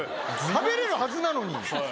食べれるはずなのに。